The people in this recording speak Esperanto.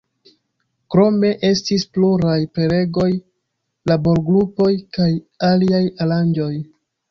Krome estis pluraj prelegoj, laborgrupoj kaj aliaj aranĝoj.